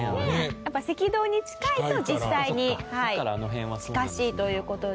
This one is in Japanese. やっぱ赤道に近いと実際に近しいという事で。